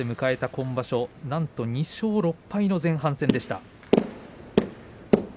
今場所なんと２勝６敗の前半戦でした。